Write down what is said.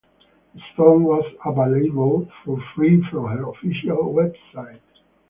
The song was available for free from her official website.